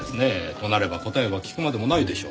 となれば答えは聞くまでもないでしょう。